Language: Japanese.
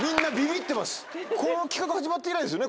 この企画始まって以来ですよね